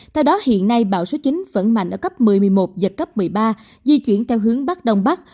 theo đó hiện nay bão số chín vẫn mạnh ở cấp một mươi một mươi một giật cấp một mươi ba di chuyển theo hướng bắc đông bắc